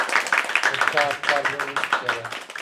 د چا افکار لوړ نه سي کیدای؟